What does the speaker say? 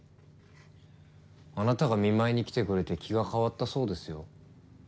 あなたが見舞いに来てくれて気が変わったそうですよ。